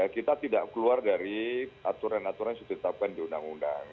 kita tidak keluar dari aturan aturan yang ditetapkan di undang undang